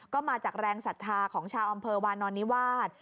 ก็มาจากแรงศรัทธาของชาวอำเภอวานอนนิวาส